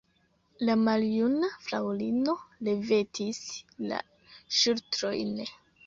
La maljuna fraŭlino levetis la ŝultrojn.